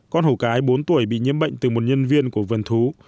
con hổ cái bốn tuổi bị nhiễm bệnh từ một nhân viên của vườn thú